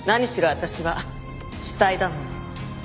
私は死体だもの。